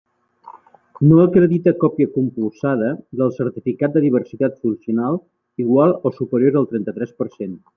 No acredita còpia compulsada del certificat de diversitat funcional igual o superior al trenta-tres per cent.